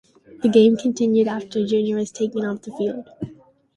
The game continued after Junior was taken off the field.